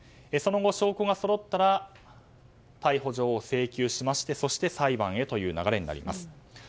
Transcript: その後、証拠がそろったら逮捕状を請求しましてそして裁判へという流れになります。